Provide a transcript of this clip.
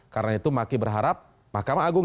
karena itu maki berharap mahkamah agung